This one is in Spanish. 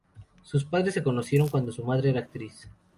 Sus padres se conocieron cuando su madre era actriz.